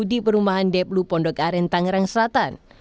di perumahan deplu pondok aren tangerang selatan